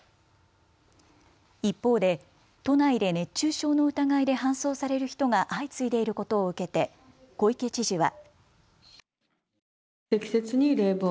一方で都内で熱中症の疑いで搬送される人が相次いでいることを受けて小池知事は。